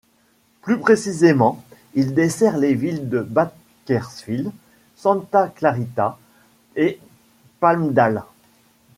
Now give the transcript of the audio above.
Plus précisément, il dessert les villes de Bakersfield, Santa Clarita et Palmdale.